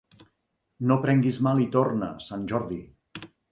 No prenguis mal i torna, sant Jordi.